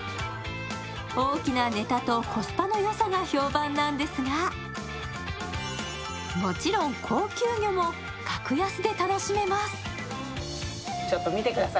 大きなネタとコスパのよさが評判なんですが、もちろん高級魚も格安で楽しめます。